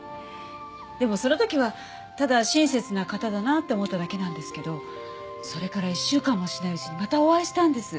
でもその時はただ親切な方だなって思っただけなんですけどそれから１週間もしないうちにまたお会いしたんです。